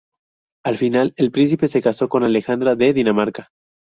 Al final, el príncipe se casó con Alejandra de Dinamarca.